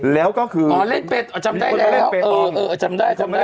แล้วก็คืออ๋อเล่นเป็นอ๋อจำได้แล้วเออเออจำได้จำได้